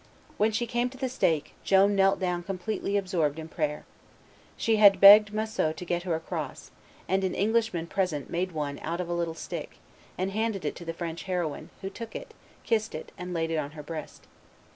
When she came to the stake, Joan knelt down completely absorbed in prayer. She had begged Massieu to get her a cross; and an Englishman present made one out of a little stick, and handed it to the French heroine, who took it, kissed it, and laid it on her breast.